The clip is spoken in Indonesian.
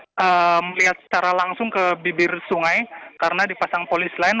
kita melihat secara langsung ke bibir sungai karena dipasang polis lain